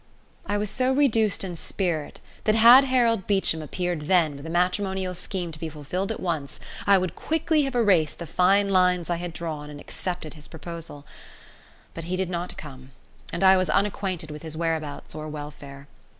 I was so reduced in spirit that had Harold Beecham appeared then with a matrimonial scheme to be fulfilled at once, I would have quickly erased the fine lines I had drawn and accepted his proposal; but he did not come, and I was unacquainted with his whereabouts or welfare.